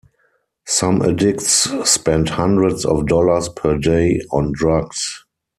Some addicts spend hundreds of dollars per day on drugs.